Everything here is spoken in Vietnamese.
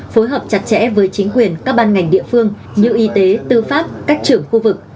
phối hợp chặt chẽ với chính quyền các ban ngành địa phương như y tế tư pháp các trưởng khu vực